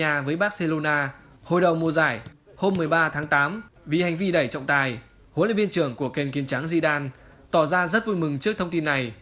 hôm một mươi ba tháng tám vì hành vi đẩy trọng tài huấn luyện viên trưởng của kênh kiên trắng zidane tỏ ra rất vui mừng trước thông tin này